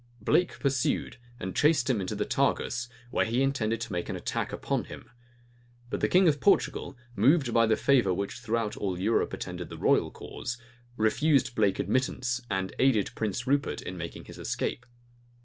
Blake pursued, and chased him into the Tagus, where he intended to make an attack upon him. But the king of Portugal, moved by the favor which throughout all Europe attended the royal cause, refused Blake admittance, and aided Prince Rupert in making his escape.